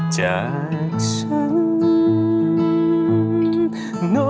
จากฉัน